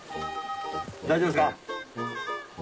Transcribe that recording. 大丈夫ですか？